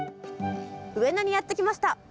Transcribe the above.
上野にやって来ました。